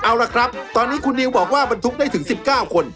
เอาละครับตอนนี้คุณนิวบอกว่าบรรทุกได้ถึง๑๙คน